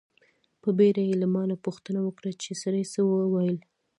په بیړه یې له ما نه پوښتنه وکړه چې سړي څه و ویل.